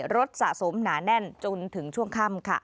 สะสมหนาแน่นจนถึงช่วงค่ำค่ะ